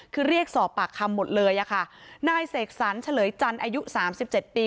คือเรียกสอบปากคำหมดเลยค่ะนายเสกสรรเฉลยจันทร์อายุ๓๗ปี